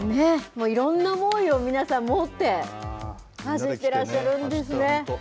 いろんな思いを皆さん持って、走ってらっしゃるんですね。